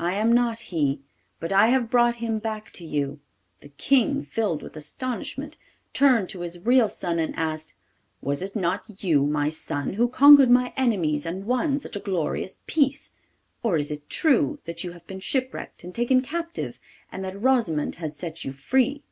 I am not he, but I have brought him back to you.' The King, filled with astonishment, turned to his real son and asked, 'Was it not you, my son, who conquered my enemies and won such a glorious peace? Or is it true that you have been shipwrecked and taken captive, and that Rosimond has set you free?